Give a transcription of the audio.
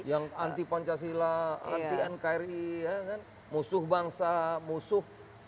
yang anti pancasila anti nkri musuh bangsa musuh